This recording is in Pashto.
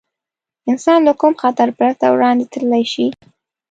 انسان له کوم خطر پرته وړاندې تللی شي.